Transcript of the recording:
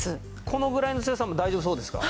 このぐらいの強さも大丈夫そうですか？